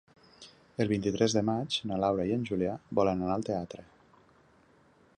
El vint-i-tres de maig na Laura i en Julià volen anar al teatre.